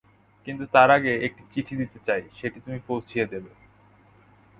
কিন্তু তার আগে একটি চিঠি দিতে চাই, সেটি তুমি পৌছিয়ে দেবে?